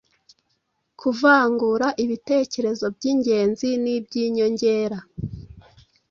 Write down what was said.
Kuvangura ibitekerezo by’ingenzi n’iby’inyongera.